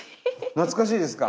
懐かしいですか？